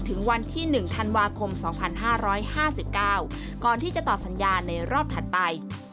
ถึงวันที่๑ธันวาคม๒๕๕๙ก่อนที่จะต่อสัญญาในรอบถัดไป